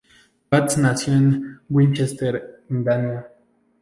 Watts nació en Winchester, Indiana.